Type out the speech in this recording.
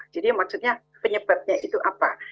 jadi maksudnya penyebabnya itu apa